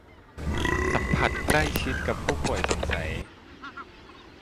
สัมผัสใกล้ชิดกับผู้ป่วยสงสัย